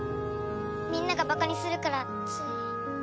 みんながバカにするからつい。